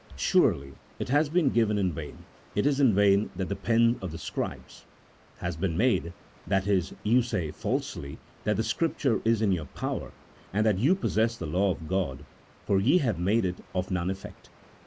Surely it has been given in vain, it is in vain that the pen of the scribes" (has been made) — that is, you say falsely that the Scripture is in your power, and that you possess the law of God ; for ye have made it of none effect.